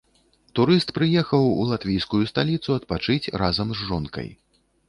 Турыст прыехаў у латвійскую сталіцу адпачыць разам з жонкай.